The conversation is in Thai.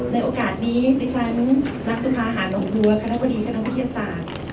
ในโอกาสนี้นักชุมภาษาอาหารอ่องดัวคณะบดีคณะวิทยาศาสตร์